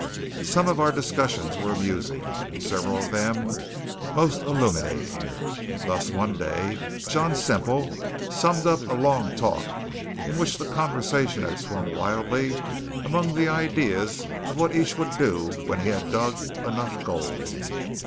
Some of our discussions were amusing, and several of them most illuminating. Thus, one day, John Semple summed up a long talk in which the conversation had swung wildly among the ideas of what each would do when he had dug "enough" gold.